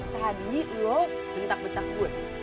tadi lu betak betak gue